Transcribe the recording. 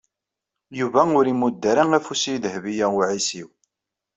Yuba ur imudd ara afus i Dehbiya u Ɛisiw.